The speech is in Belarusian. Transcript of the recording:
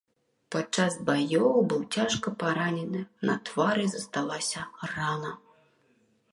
Падчас баёў быў цяжка паранены, на твары засталася рана.